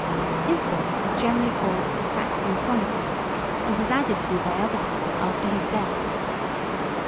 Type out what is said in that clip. His book is generally called the Saxon Chronicle, and was added to by other people after his death.